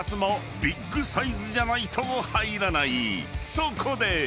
［そこで］